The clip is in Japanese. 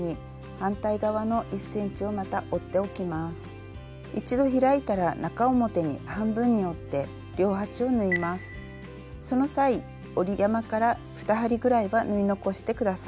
その際折り山から２針ぐらいは縫い残して下さい。